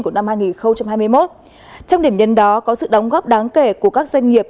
của năm hai nghìn hai mươi một trong điểm nhấn đó có sự đóng góp đáng kể của các doanh nghiệp